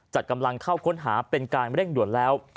จัดกำลังเข้าค้นหาเป็นการเร่งด่วนแล้ว